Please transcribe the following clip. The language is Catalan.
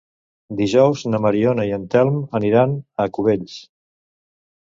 Dijous na Mariona i en Telm aniran a Cubells.